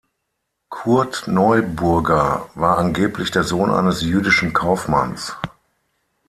Kurt Neuburger war angeblich der Sohn eines jüdischen Kaufmanns.